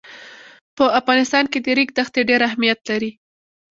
په افغانستان کې د ریګ دښتې ډېر اهمیت لري.